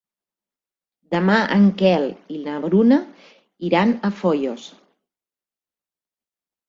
Demà en Quel i na Bruna iran a Foios.